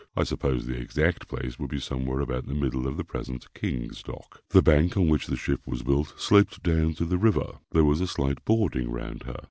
I suppose the exact place would be somewhere about the middle of the present King's Dock. The bank on which the ship was built sloped down to the river. There was a slight boarding round her.